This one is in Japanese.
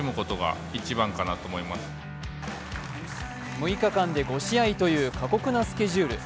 ６日間で５試合という過酷なスケジュール。